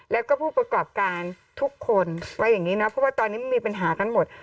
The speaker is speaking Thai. แล้วก็ผู้ประกอบการทุกคนว่าอย่างนี้นะเพราะว่าตอนนี้มันมีปัญหากันหมด